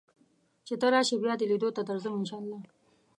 چې ته راشې بیا دې لیدو ته درځم ان شاء الله